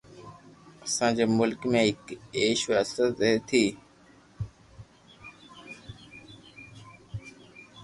اسان جي ملڪ ۾ هڪ عيش عشرت رهي ٿي